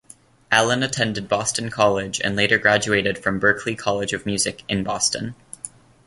Allen attended Boston College and later graduated from Berklee College of Music in Boston.